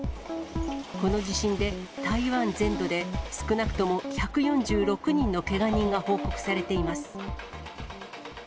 この地震で、台湾全土で少なくとも１４６人のけが人が報告されています。